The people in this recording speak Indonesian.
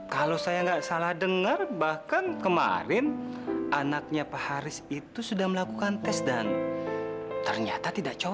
kalau saya nggak salah dengar bahkan kemarin anaknya pak haris itu sudah melakukan tes dan ternyata tidak cocok